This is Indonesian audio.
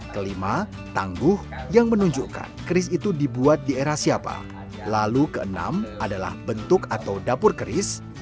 kelima tangguh yang menunjukkan keris itu dibuat di era siapa lalu keenam adalah bentuk atau dapur keris